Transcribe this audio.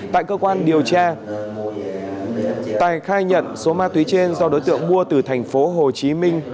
tại cơ quan điều tra tài khai nhận số ma túy trên do đối tượng mua từ thành phố hồ chí minh